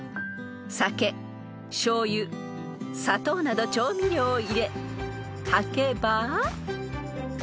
［酒しょうゆ砂糖など調味料を入れ炊けば］